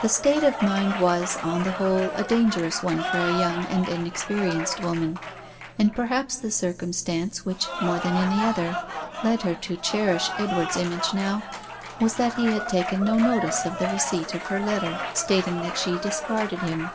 The state of mind was, on the whole, a dangerous one for a young and inexperienced woman; and perhaps the circumstance which, more than any other, led her to cherish Edward's image now, was that he had taken no notice of the receipt of her letter, stating that she discarded him.